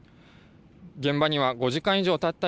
現場には５時間以上たった